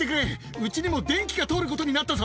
うちにも電気が通ることになったぞ。